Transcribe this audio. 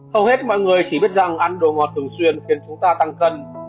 hầu hết mọi người chỉ biết rằng ăn đồ ngọt thường xuyên khiến chúng ta tăng cân